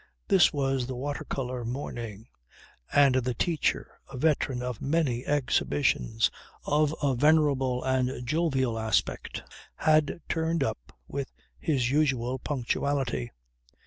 This was the water colour morning; and the teacher, a veteran of many exhibitions, of a venerable and jovial aspect, had turned up with his usual punctuality.